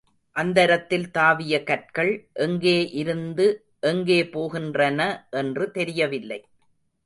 அந்தரத்தில் தாவிய கற்கள், எங்கே இருந்து எங்கே போகின்றன என்று தெரியவில்லை.